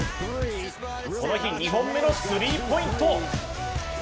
この日２本目のスリーポイント。